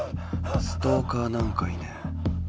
ストーカーなんかいねぇ。